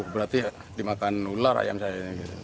berarti dimakan ular ayam saya